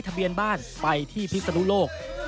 เตรียมป้องกันแชมป์ที่ไทยรัฐไฟล์นี้โดยเฉพาะ